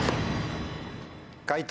解答